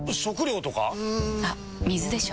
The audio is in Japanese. うん。あっ水でしょ。